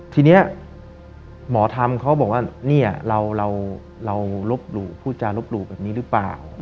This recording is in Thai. ทีนี้หมอทำเขาบอกว่านี่เราพูดจารกลบหรูแบบนี้หรือเปล่า